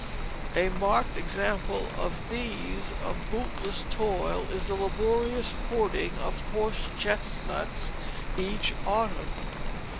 A marked example of these, of bootless toil, is the laborious hoarding of horse chestnuts each autumn.